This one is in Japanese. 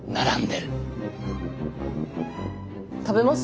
食べます？